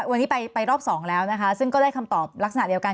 วันนี้ไปรอบสองแล้วนะคะซึ่งก็ได้คำตอบลักษณะเดียวกัน